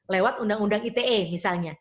lewat undang undang ite misalnya